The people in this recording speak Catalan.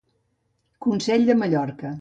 Consell de Mallorca.